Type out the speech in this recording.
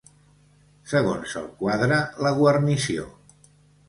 Segons el quadre, la guarnició.